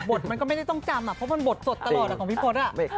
มันก็ไม่ได้ต้องจำเพราะมันบทสดตลอดของพี่พศ